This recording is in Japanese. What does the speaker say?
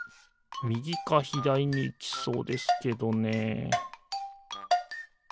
みぎかひだりにいきそうですけどね